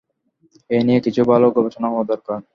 এই নিয়ে কিছু ভালো গবেষণা হওয়া দরকার।